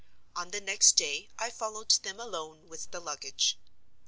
On the next day I followed them alone, with the luggage.